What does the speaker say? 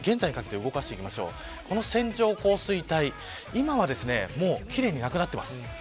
線状降水帯、今はきれいになくなっています。